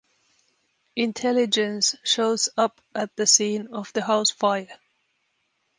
Intelligence shows up at the scene of the house fire.